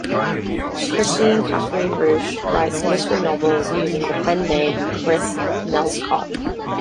Kristine Kathryn Rusch writes mystery novels, using the pen-name "Kris Nelscott".